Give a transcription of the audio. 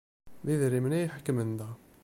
D idrimen ay iḥekmen da.